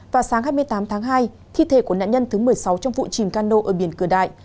vào sáng hai mươi tám tháng hai thi thể của nạn nhân thứ một mươi sáu trong vụ chìm cano ở biển cửa đại